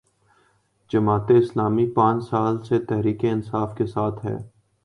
جماعت اسلامی پانچ سال سے تحریک انصاف کے ساتھ ہے۔